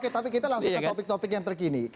oke tapi kita langsung ke topik topik yang terkini